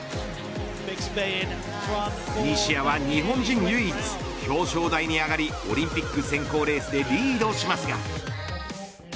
西矢は日本人唯一表彰台に上がりオリンピック選考レースでリードしますが。